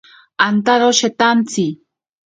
Antaro shetakintsi.